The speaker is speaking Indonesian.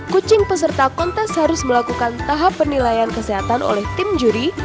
kucing peserta kontes harus melakukan tahap penilaian kesehatan oleh tim juri